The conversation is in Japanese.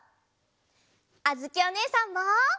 あづきおねえさんも！